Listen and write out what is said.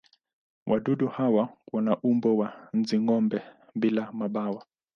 Wadudu hawa wana umbo wa nzi-gome bila mabawa.